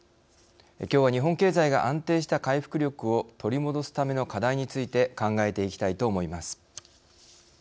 きょうは日本経済が安定した回復力を取り戻すための課題について考えていきたいと思います。